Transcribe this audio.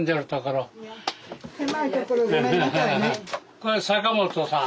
これ阪本さん。